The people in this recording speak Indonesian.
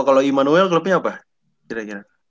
oh kalau emanuel klubnya apa